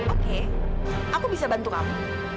oke aku bisa bantu kamu